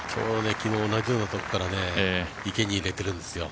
同じようなところから池に入れているんですよ。